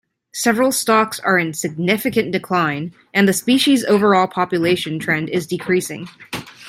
Several stocks are in significant decline and the species' overall population trend is decreasing.